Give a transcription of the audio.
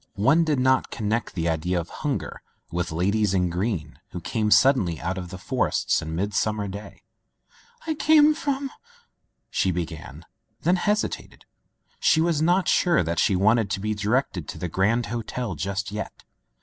One did not con nect the idea of hunger with ladies in green who came suddenly out of forests on mid summer day. "I came from —*' she began, then hesi tated. She was not sure that she wanted to be directed to the Grand Hotel just yet.